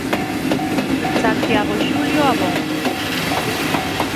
Santiago Xulio Abonjo.